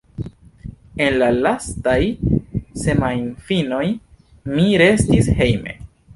En la lastaj semajnfinoj, mi restis hejme.